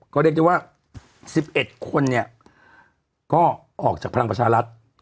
ก็เรียกได้ว่า๑๑คนเนี่ยก็ออกจากพลังประชารัฐ